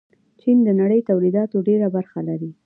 چین د نړۍ تولیداتو ډېره برخه لري.